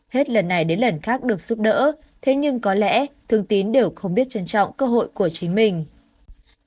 hết lần này đến lần khác được giúp đỡ thế nhưng có lẽ thương tín đều không biết trân trọng cơ hội của chính mình